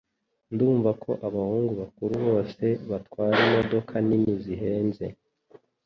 Ndumva ko abahungu bakuru bose batwara imodoka nini zihenze